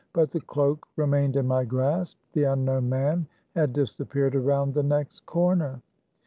But the cloak remained in my grasp ; the unknown man had disappeared around the next corner.